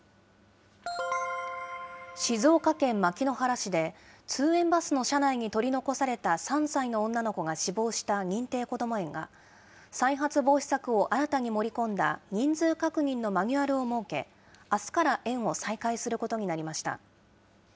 静岡県牧之原市で、通園バスの車内に取り残された３歳の女の子が死亡した認定こども園が、再発防止策を新たに盛り込んだ人数確認のマニュアルを設け、あすから園を再開することになりました。